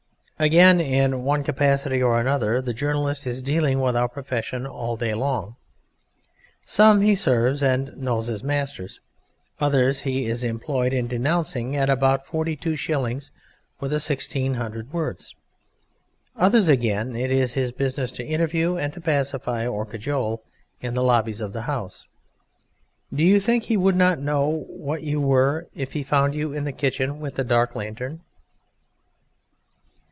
Again, in one capacity or another, the journalist is dealing with our profession all day long. Some he serves and knows as masters; others he is employed in denouncing at about forty two shillings the 1600 words; others again it is his business to interview and to pacify or cajole in the lobbies of the House do you think he would not know what you were if he found you in the kitchen with a dark lantern?